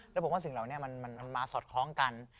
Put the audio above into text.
แล้วผมว่าสิ่งเหล่านี้มันมาสอดคล้องกัน